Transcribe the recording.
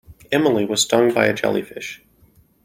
Emily was stung by a jellyfish.